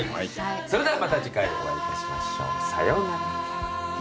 それではまた次回お会いいたしましょうさようなら。